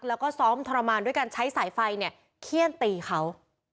แล้วก็ซ้อมทรมานด้วยการใช้สายไฟเนี่ยเขี้ยนตีเขา